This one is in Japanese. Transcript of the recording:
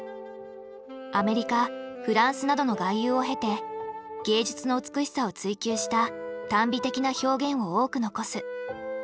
アメリカフランスなどの外遊を経て芸術の美しさを追求した耽美的な表現を多く残す。